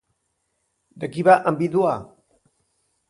De qui va enviduar?